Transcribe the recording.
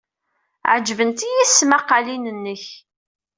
Ɛejbent-iyi tesmaqqalin-nnek.